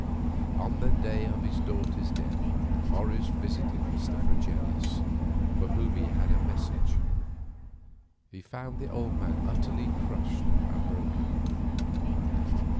On the day of his daughter's death Morris visited Mr. Fregelius, for whom he had a message. He found the old man utterly crushed and broken.